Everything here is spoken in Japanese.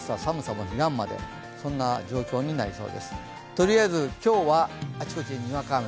とりあえず今日はあちこちににわか雨。